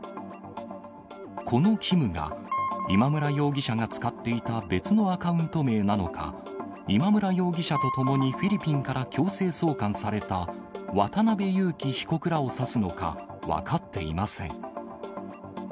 このキムが、今村容疑者が使っていた別のアカウント名なのか、今村容疑者と共にフィリピンから強制送還された渡辺優樹被告らを指すのか、分かっていません。